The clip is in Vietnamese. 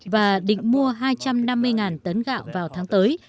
và định mua hai trăm năm mươi tấn gạo vào tháng tới